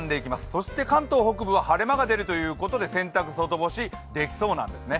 そして関東北部は晴れ間が出るということで洗濯外干しできそうなんですね。